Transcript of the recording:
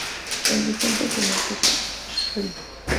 El difunto filántropo Shri.